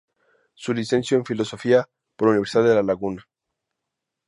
Se licenció en Filosofía por la Universidad de La Laguna.